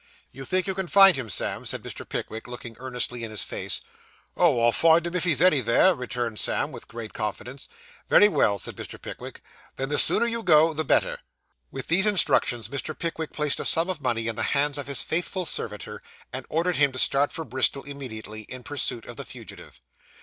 'You think you can find him, Sam?' said Mr. Pickwick, looking earnestly in his face. 'Oh, I'll find him if he's anyvere,' rejoined Sam, with great confidence. 'Very well,' said Mr. Pickwick. 'Then the sooner you go the better.' With these instructions, Mr. Pickwick placed a sum of money in the hands of his faithful servitor, and ordered him to start for Bristol immediately, in pursuit of the fugitive.